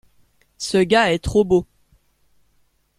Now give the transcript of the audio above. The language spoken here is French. Ce gars est trop beau.